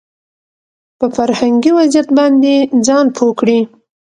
په فرهنګي وضعيت باندې ځان پوه کړي